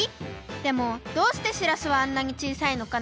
でもどうしてしらすはあんなにちいさいのかな？